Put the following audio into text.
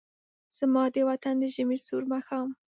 زما د وطن د ژمې سوړ ماښام